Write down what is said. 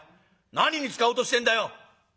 何に使おうとしてんだよ？」。